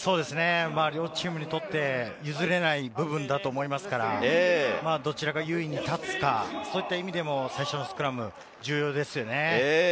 両チームにとって譲れない部分だと思いますから、どちらが優位に立つか、そういった意味でも最初のスクラムは重要ですよね。